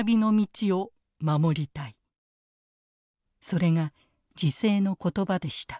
それが辞世の言葉でした。